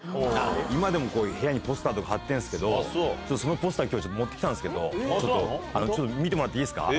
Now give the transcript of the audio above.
今でも部屋にポスターとか貼ってるんですけど、そのポスター、きょうちょっと持ってきたんですけど、きょう、見てもらっていいですか。